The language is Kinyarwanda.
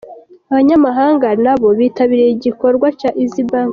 Abanyamahanga nabo bitabiriye igiorwa cya Eazzy Banking.